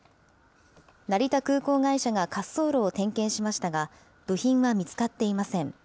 成田空港会社が滑走路を点検しましたが、部品は見つかっていません。